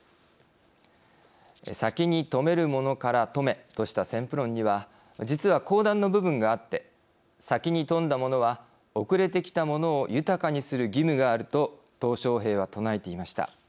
先に富めるものから富めとした先富論には実は後段の部分があって先に富んだものは遅れてきたものを豊かにする義務があると小平は唱えていました。